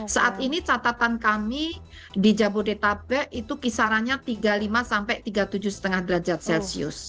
saat ini catatan kami di jabodetabek itu kisarannya tiga puluh lima sampai tiga puluh tujuh lima derajat celcius